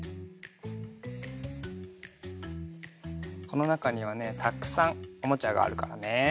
このなかにはねたくさんおもちゃがあるからね。